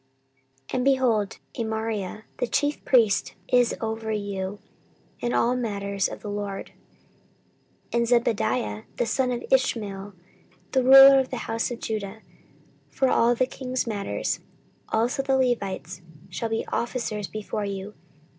14:019:011 And, behold, Amariah the chief priest is over you in all matters of the LORD; and Zebadiah the son of Ishmael, the ruler of the house of Judah, for all the king's matters: also the Levites shall be officers before you.